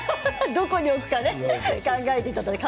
どこに置くか考えていただいてね。